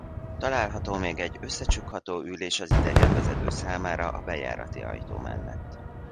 Található még egy összecsukható ülés az idegenvezető számára a bejárati ajtó mellett.